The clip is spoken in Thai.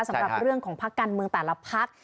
สำหรับเรื่องของพักการเมืองแต่ละพัก